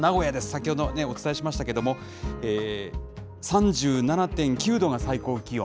先ほどお伝えしましたけれども、３７．９度が最高気温。